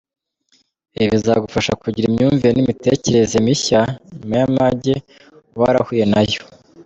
Ibi bizagufasha kugira imyumvire n’imitekerereze mishya nyuma y’amage uba warahuye nayo.